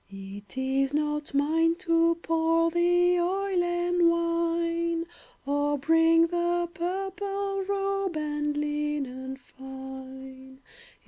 It is not mine to pour The oil and wine, Or bring the purple robe And linen fine.